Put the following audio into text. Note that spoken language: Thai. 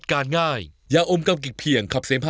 คอยและเมียหลวง